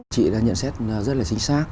chị đã nhận xét rất là chính xác